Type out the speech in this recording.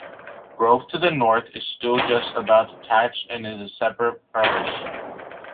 Grove to the north is still just about detached and is a separate parish.